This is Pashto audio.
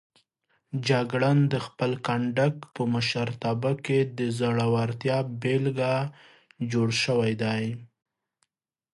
جګړن د خپل کنډک په مشرتابه کې د زړورتیا بېلګه جوړ شوی دی.